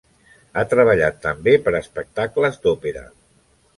Ha treballat també per a espectacles d'òpera.